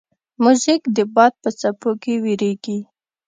موزیک د باد په څپو کې ویریږي.